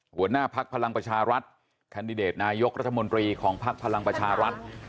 หัวหน้าภักดิ์พลังประชารัฐแคนดิเดตนายกรัฐมนตรีของภักดิ์พลังประชารัฐ